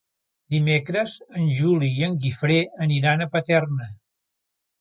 Dimecres en Juli i en Guifré aniran a Paterna.